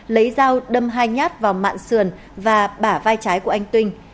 lấy dao đâm hai nhát vào mạng sườn và bả vai trái của anh tuyên